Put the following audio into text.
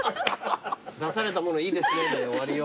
出されたもの「いいですね」で終わりよ。